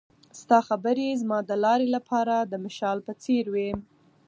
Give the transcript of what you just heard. ستا خبرې زما د لارې لپاره د مشال په څېر وې.